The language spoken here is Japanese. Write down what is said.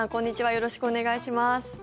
よろしくお願いします。